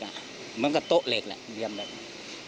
เหมือนกับโต๊ะเหล็กแหละเบียบแหละ